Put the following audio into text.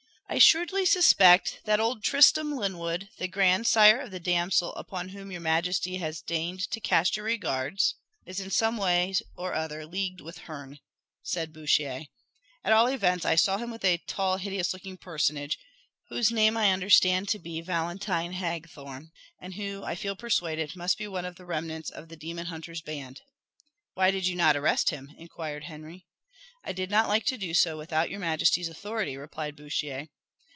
"I shrewdly suspect that old Tristram Lyndwood, the grandsire of the damsel upon whom your majesty has deigned to cast your regards, is in some way or other leagued with Herne," said Bouchier. "At all events, I saw him with a tall hideous looking personage, whose name I understand to be Valentine Hagthorne, and who, I feel persuaded, must be one of the remnants of the demon hunter's band." "Why did you not arrest him?" inquired Henry. "I did not like to do so without your majesty's authority," replied Bouchier.